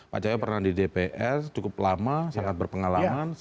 pak cahyo pernah di dpr cukup lama sangat berpengalaman